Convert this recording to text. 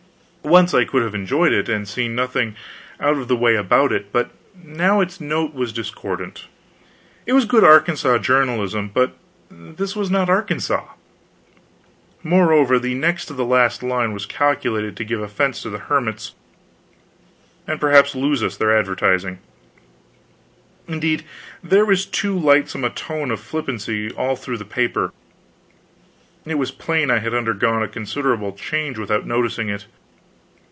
Once I could have enjoyed it and seen nothing out of the way about it, but now its note was discordant. It was good Arkansas journalism, but this was not Arkansas. Moreover, the next to the last line was calculated to give offense to the hermits, and perhaps lose us their advertising. Indeed, there was too lightsome a tone of flippancy all through the paper. It was plain I had undergone a considerable change without noticing it.